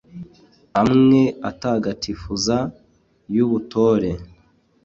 amwe atagatifuza, y’ubutore